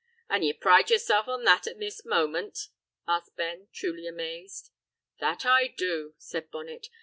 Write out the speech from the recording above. "An' ye pride yoursel' on that, an' at this moment?" asked Ben, truly amazed. "That do I," said Bonnet.